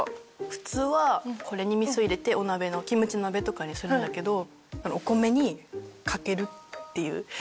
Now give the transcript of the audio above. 普通はこれに味噌入れてお鍋のキムチ鍋とかにするんだけどお米にかけるっていう。